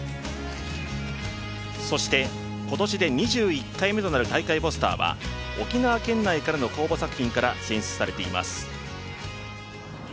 そして、今年で２１回目となる大会ポスターは沖縄県内からの公募作品から選出されています。